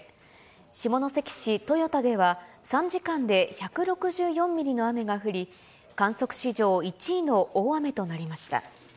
下関市豊田では、３時間で１６４ミリの雨が降り、観測史上１位の大雨となりました。